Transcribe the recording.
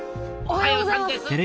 おはようございます。